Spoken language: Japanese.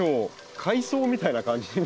海藻みたいな感じに見えます。